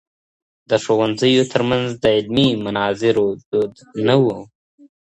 د ښوونځیو ترمنځ د علمي مناظرو دود نه و.